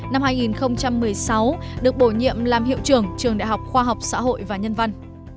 năm hai nghìn một mươi sáu được bổ nhiệm làm hiệu trưởng trường đại học khoa học xã hội và nhân văn